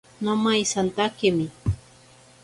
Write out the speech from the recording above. Nomaisatakemi.